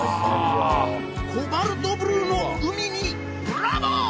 コバルトブルーの海にブラボー！